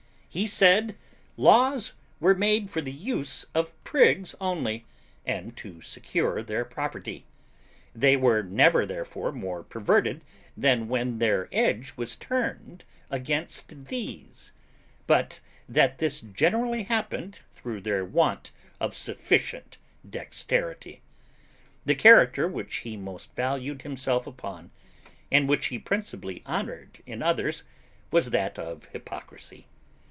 He said laws were made for the use of prigs only, and to secure their property; they were never therefore more perverted than when their edge was turned against these; but that this generally happened through their want of sufficient dexterity. The character which he most valued himself upon, and which he principally honoured in others, was that of hypocrisy.